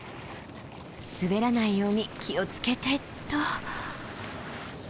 滑らないように気を付けてっと。